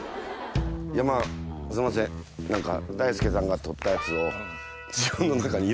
いやまぁすいません何か。